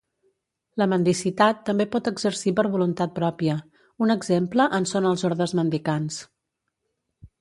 La mendicitat també pot exercir per voluntat pròpia: un exemple en són els ordes mendicants.